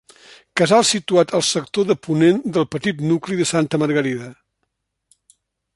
Casal situat al sector de ponent del petit nucli de Santa Margarida.